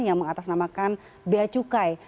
yang mengatasnamakan bea cukai